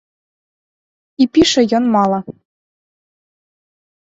І піша ён мала.